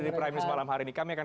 dengan informasi lain